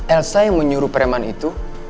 elsa yang menyuruh preman itu